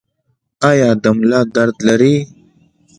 ایا د ملا درد لرئ؟